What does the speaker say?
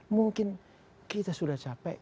mungkin kita sudah capek